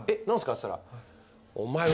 っつったらお前。